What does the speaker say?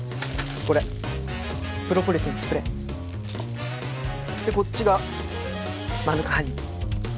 これプロポリスのスプレー。でこっちがマヌカハニー。